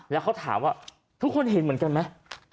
แล้วเขาถามว่าทุกคนเห็นเหมือนกันไหม